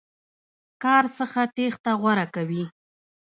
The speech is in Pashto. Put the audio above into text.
کار څخه تېښته غوره کوي.